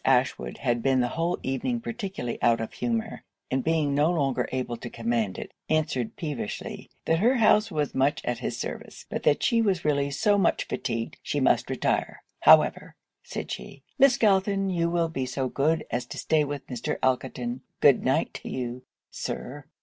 Ashwood had been the whole evening particularly out of humour, and being no longer able to command it, answered peevishly, 'that her house was much at his service, but that she was really so much fatigued she must retire however,' said she, 'Miss Galton, you will be so good as to stay with Mr. Elkerton good night to you, Sir!'